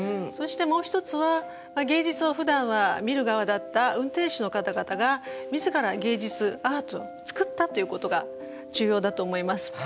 そしてもう一つは芸術をふだんは見る側だった運転手の方々が自ら芸術アートを作ったということが重要だと思います。